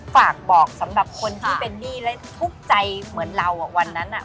ฝากบอกสำหรับคนที่เป็นหนี้และทุกข์ใจเหมือนเราวันนั้น